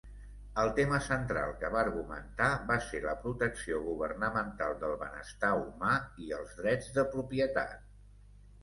El tema central que va argumentar va ser la protecció governamental del benestar humà i els drets de propietat.